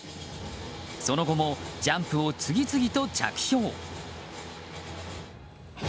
その後もジャンプを次々と着氷。